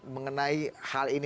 mengenai hal ini